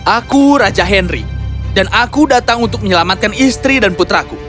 aku raja henry dan aku datang untuk menyelamatkan istri dan putraku